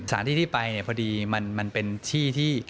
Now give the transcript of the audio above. ที่ที่ไปเนี่ยพอดีมันเป็นที่ที่